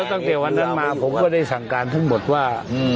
ตั้งแต่วันนั้นมาผมก็ได้สั่งการทั้งหมดว่า